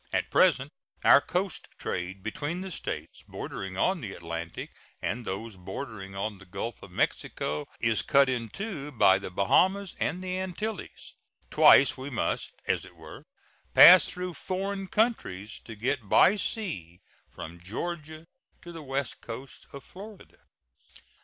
At present our coast trade between the States bordering on the Atlantic and those bordering on the Gulf of Mexico is cut into by the Bahamas and the Antilles, Twice we must, as it were, pass through foreign countries to get by sea from Georgia to the west coast of Florida.